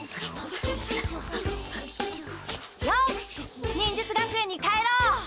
よし忍術学園に帰ろう！